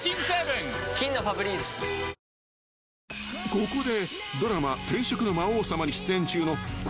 ［ここで］